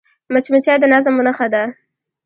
مچمچۍ د نظم نښه ده